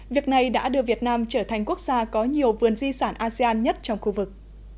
việc này đã đưa việt nam trở thành quốc gia có nhiều vườn di sản asean nhất trong khu vực